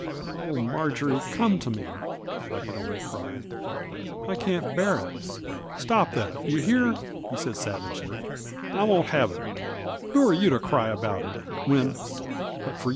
" Oh, Marjory, come to me," I could only cry ;" I can't bear it 1 "" Stop that, do you hear ?'' he said savagely ;" I won't have it 1 Who are you to cry about her, when — ^but for